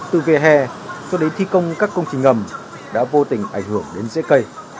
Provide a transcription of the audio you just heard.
từ về hè cho đến thi công các công trình ngầm đã vô tình ảnh hưởng đến dễ cây